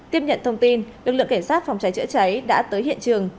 tiếp nhận thông tin lực lượng cảnh sát phòng cháy chữa cháy đã tới hiện trường